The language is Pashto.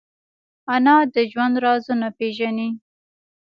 انا د ژوند رازونه پېژني